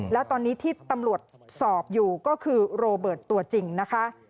แล้วตอนนี้ที่ตำรวจสอบอยู่ก็คือโรเบิร์ตตัวจริงนะคะ